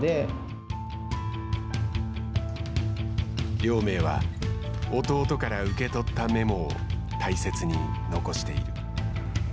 亮明は弟から受け取ったメモを大切に残している。